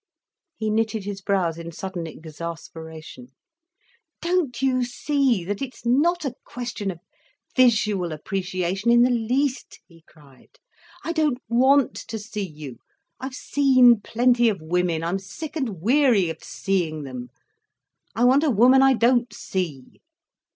He knitted his brows in sudden exasperation. "Don't you see that it's not a question of visual appreciation in the least," he cried. "I don't want to see you. I've seen plenty of women, I'm sick and weary of seeing them. I want a woman I don't see."